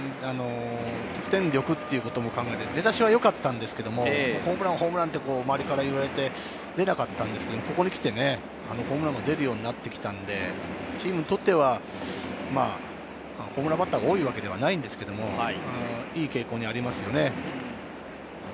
得点力を考えて、出だしはよかったんですけれど、ホームランと周りから言われて出なかったのですが、ここにきてホームランが出るようになってきたので、ホームランバッターが多いわけではないんですけれど、いい傾向にありますね。